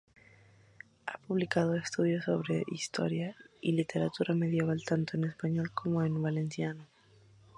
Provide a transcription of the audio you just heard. Ha publicado estudios sobre historia y literatura medieval, tanto en español como en valenciano.